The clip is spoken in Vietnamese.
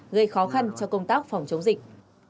gây khó khăn cho công tác phòng chống dịch